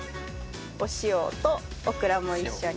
お塩とオクラも一緒に。